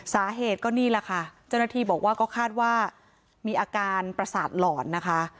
สาเหตุก็นี่แหละค่ะเจ้าหน้าที่บอกว่าก็คาดว่ามีอาการประสาทหลอนนะคะ